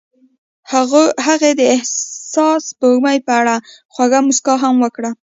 هغې د حساس سپوږمۍ په اړه خوږه موسکا هم وکړه.